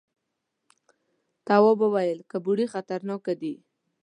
تواب وويل، کربوړي خطرناکه دي.